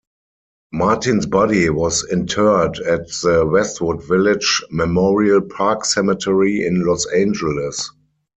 Martin's body was interred at the Westwood Village Memorial Park Cemetery in Los Angeles.